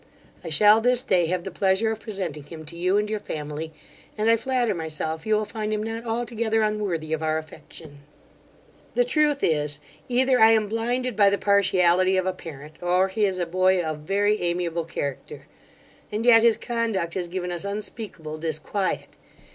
I shall this day have the pleasure of presenting him to you and your family; and I flatter myself you will find him not altogether unworthy of our affection. 'The truth is, either I am blinded by the partiality of a parent, or he is a boy of very amiable character; and yet his conduct has given us unspeakable disquiet.